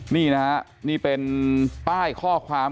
นี่นะฮะนี่เป็นป้ายข้อความ